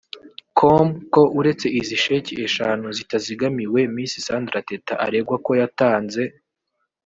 com ko uretse izi sheki eshanu zitazigamiwe Miss Sandra Teta aregwa ko yatanze